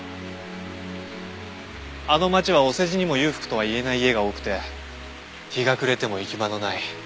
あの町はお世辞にも裕福とは言えない家が多くて日が暮れても行き場のない。